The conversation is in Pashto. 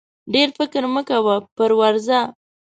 ډېر فکر مه کوه پر ورځه!